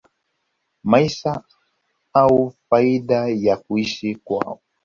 maisha au faida ya kuishi kwao